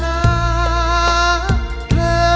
ไม่ใช้